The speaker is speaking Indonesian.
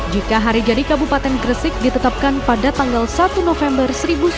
jika hari jadi kabupaten gersik ditetapkan pada tanggal satu november